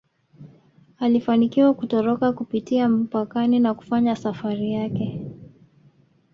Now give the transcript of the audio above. Alifanikiwa kutoroka kupitia mpakani na kufanya safari yake